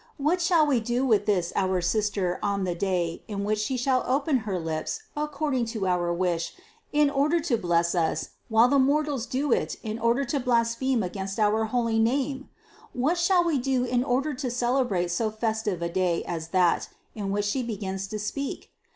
What shall We do for this our sister on the day, in which she shall open her lips according to our wish in order to bless Us while the mortals do it in order to blaspheme against our holy name? What shall We do in order to celebrate so fes tive a day as that, in which she begins to speak?